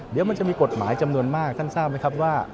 เดี๋ยวมันจะมีกฎหมายจำนวนมากท่านทราบไหมครับว่า